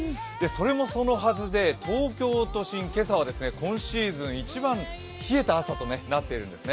それもそのはずで、東京都心今朝は今シーズン一番冷えた朝となっているんです。